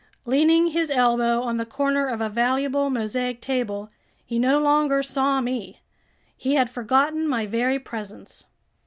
Leaning his elbow on the corner of a valuable mosaic table, he no longer saw me, he had forgotten my very presence.